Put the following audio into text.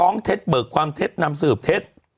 ฯ้งเทสท์เบลอความเทสท์นำสืบเทสท์